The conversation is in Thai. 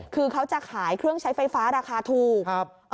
คือเขาจะขายเครื่องใช้ไฟฟ้าราคาถูก